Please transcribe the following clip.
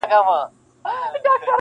ازموینه کي د عشق برابر راغله,